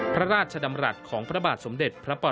พระราชดำรัฐของพระบาทสมเด็จพระป